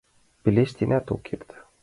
Пелештенат ок керт.